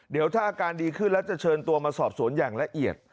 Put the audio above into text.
เดี๋ยวถ้าอาการดีขึ้นแล้วจะเชิญตัวมาสอบสวนอย่างละเอียด